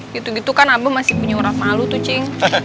gitu gitu kan abah masih punya urat malu tuh cing